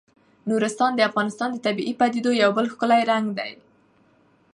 نورستان د افغانستان د طبیعي پدیدو یو بل ښکلی رنګ دی.